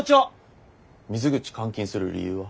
水口監禁する理由は？